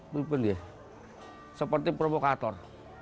benar benar seperti provokator